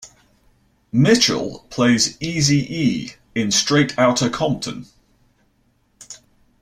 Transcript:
Mitchell plays Eazy-E in Straight Outta Compton.